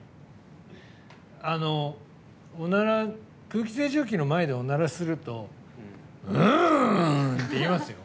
空気清浄機の前でおならするとウウウウンっていいますよ。